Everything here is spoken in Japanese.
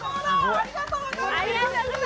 ありがとうございます。